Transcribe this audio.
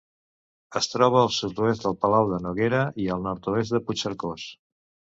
Es troba al sud-oest de Palau de Noguera i al nord-oest de Puigcercós.